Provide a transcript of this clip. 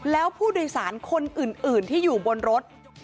แล้วผู้โดยสารคนอื่นที่อยู่บนรถ